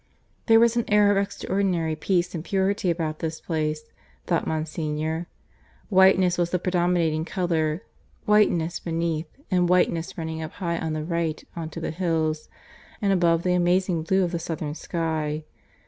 There was an air of extraordinary peace and purity about this place, thought Monsignor. Whiteness was the predominating colour whiteness beneath, and whiteness running up high on the right on to the hills and above the amazing blue of the southern sky.